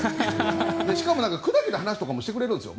しかも、砕けた話とかもしてくれるんですよ。